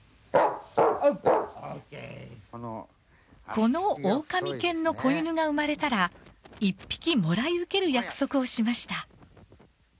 このオオカミ犬の子犬が産まれたら１匹もらい受ける約束をしました。